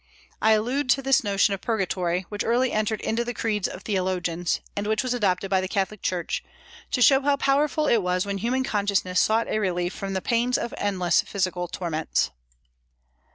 I allude to this notion of purgatory, which early entered into the creeds of theologians, and which was adopted by the Catholic Church, to show how powerful it was when human consciousness sought a relief from the pains of endless physical torments.